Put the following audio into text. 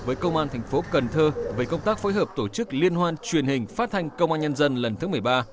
với công an thành phố cần thơ về công tác phối hợp tổ chức liên hoan truyền hình phát thanh công an nhân dân lần thứ một mươi ba